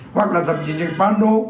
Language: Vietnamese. hoặc là thậm chí những cái bán đô